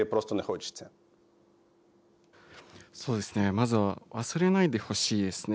まずは忘れないでほしいですね。